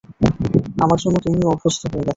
আমার জন্যে তুমিও অভ্যস্ত হয়ে গেছো।